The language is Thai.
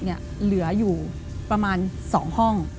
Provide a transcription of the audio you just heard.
เหลืออยู่ประมาณ๒ห้อง